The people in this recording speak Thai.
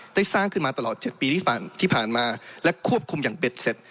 สร้างขึ้นมาตลอด๗ปีที่ผ่านมาและควบคุมอย่างเบ็ดเสร็จ